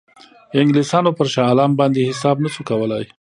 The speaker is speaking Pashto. انګلیسانو پر شاه عالم باندې حساب نه شو کولای.